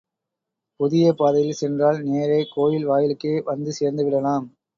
புதிய பாதையில் சென்றால் நேரே கோயில் வாயிலுக்கே வந்து சேர்ந்து விடலாம்.